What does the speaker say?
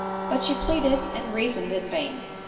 But she pleaded and reasoned in vain.